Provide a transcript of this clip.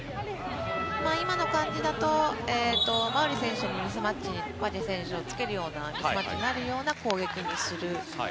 今の感じだと、馬瓜選手のミスマッチにパジェ選手をつけるような、ミスマッチになるような攻撃にする。